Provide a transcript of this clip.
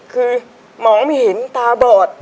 คือมองไม่เห็นตาบอด